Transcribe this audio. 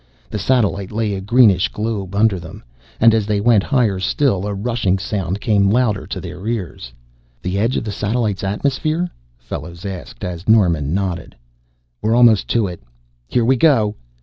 The satellite lay, a greenish globe, under them. And as they went higher still a rushing sound came louder to their ears. "The edge of the satellite's atmosphere?" Fellows asked, as Norman nodded. "We're almost to it here we go!"